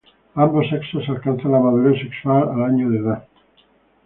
Ambos sexos alcanzan la madurez sexual al año de edad.